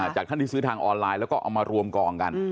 จากท่านที่ซื้อทางออนไลน์แล้วก็เอามารวมกองกัน